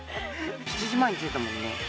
７時前に着いたもんね。